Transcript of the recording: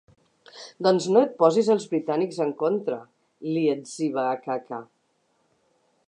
Doncs no et posis els britànics en contra —li etziba Akaka.